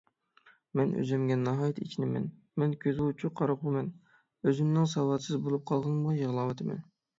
مەن ئۆزۈمگە ناھايىتى ئېچىنىمەن. مەن كۆزى ئوچۇق قارىغۇمەن، ئۆزۈمنىڭ ساۋاتسىز بولۇپ قالغىنىمغا يىغلاۋاتىمەن.